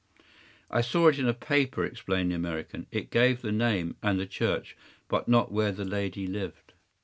” “I saw it in a paper,” explained the American. “It gave the name and the church, but not where the lady lived.